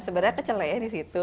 sebenarnya kecelai ya di situ